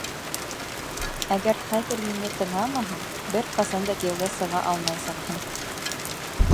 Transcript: Әгәр хәҙер мине тыңламаһаң, бер ҡасан да кейәүгә сыға алмаясаҡһың.